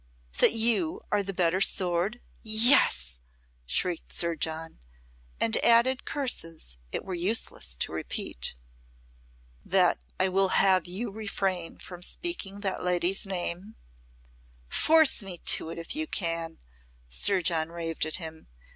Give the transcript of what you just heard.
"That you are the better sword Yes!" shrieked Sir John, and added curses it were useless to repeat. "That I will have you refrain from speaking that lady's name?" "Force me to it, if you can," Sir John raved at him.